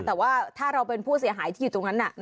แต่ว่าถ้าเราเป็นผู้เสียหายที่อยู่ตรงนั้น